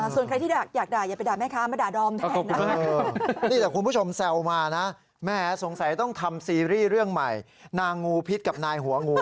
ส่วนใครที่อยากด่าอย่าไปด่าแม่คะมาด่าดอมแทนนะ